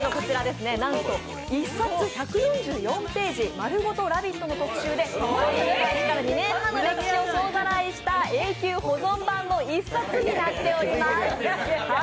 表紙がこちらですね、１冊１４４ページ丸ごと「ラヴィット！」の特集で、番組開始から２年半を総ざらいした永久保存版の１冊になっております。